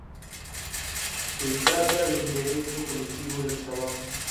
Se trata del derecho colectivo del trabajo.